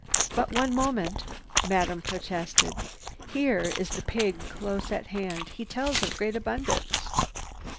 "But one moment!" Madame protested. "Here is the pig close at hand. He tells of great abundance."